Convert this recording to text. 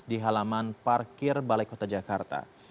di halaman parkir balai kota jakarta